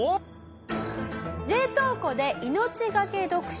冷凍庫で命懸け読書。